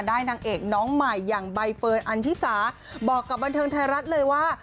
นางเอกน้องใหม่อย่างใบเฟิร์นอันชิสาบอกกับบันเทิงไทยรัฐเลยว่า